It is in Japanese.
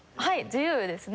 自由ですね。